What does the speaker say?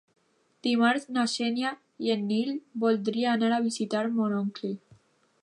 Dimarts na Xènia i en Nil voldria anar a visitar mon oncle.